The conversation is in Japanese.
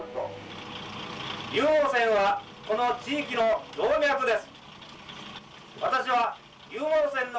湧網線はこの地域の動脈です。